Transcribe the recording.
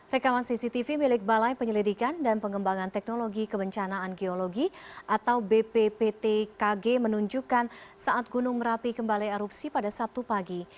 rekaman cctv milik balai penyelidikan dan pengembangan teknologi kebencanaan geologi atau bpptkg menunjukkan saat gunung merapi kembali erupsi pada sabtu pagi